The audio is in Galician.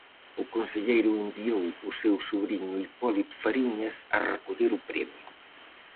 O conselleiro enviou ó seu sobriño Hipólito Fariñas a recoller o premio.